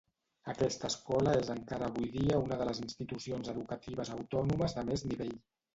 Aquesta escola és encara avui dia una de les institucions educatives autònomes de més nivell.